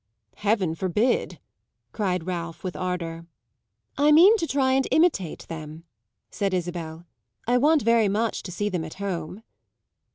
"Heaven forbid!" cried Ralph with ardour. "I mean to try and imitate them," said Isabel. "I want very much to see them at home."